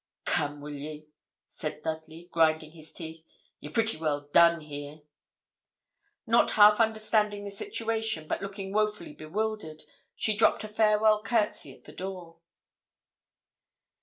'Come, will ye?' said Dudley, grinding his teeth. 'You're pretty well done here.' Not half understanding the situation, but looking woefully bewildered, she dropped a farewell courtesy at the door.